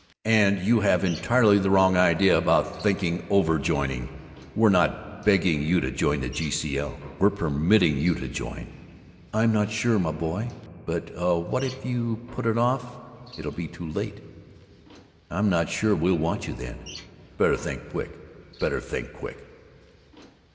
And you have entirely the wrong idea about 'thinking over joining.' We're not begging you to join the G.C.L. we're permitting you to join. I'm not sure, my boy, but what if you put it off it'll be too late. I'm not sure we'll want you then. Better think quick better think quick!"